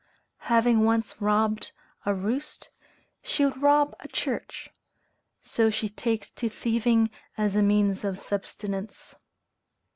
_ Having once robbed a roost, she would rob a church; so she takes to thieving as a means of subsistence.